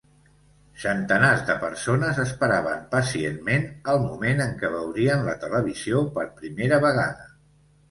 Centenars de persones esperaven pacientment el moment en què veurien la televisió per primera vegada.